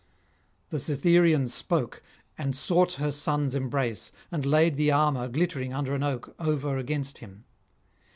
The Cytherean spoke, and sought her son's embrace, and laid the armour glittering under an oak over against him.